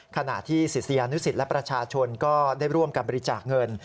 ขณะที่ศิษยานุสิตและประชาชนก็ได้ร่วมการบริจาคเงิน